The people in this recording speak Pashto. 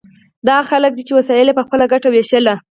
دا هغه خلک دي چې وسایل یې په خپله ګټه ویشلي.